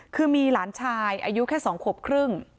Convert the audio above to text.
คือมีหลานชายอายุแค่๒ขวบครึ่ง